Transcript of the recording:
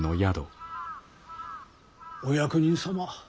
お役人様。